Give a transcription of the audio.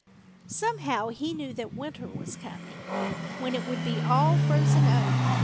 Somehow he knew that winter was coming, when it would be all frozen over.